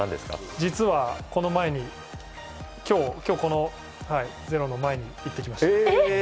実は今日この「ｚｅｒｏ」の前に行ってきました。